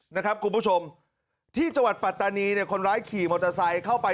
ที่จังหวัดปัตตานีคนร้ายขี่มอเตอร์ไซค์เข้าไป